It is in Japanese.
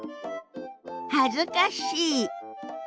恥ずかしい。